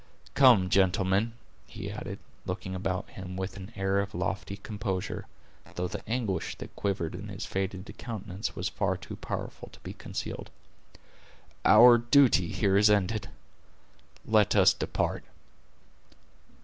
Come, gentlemen," he added, looking about him with an air of lofty composure, though the anguish that quivered in his faded countenance was far too powerful to be concealed, "our duty here is ended; let us depart."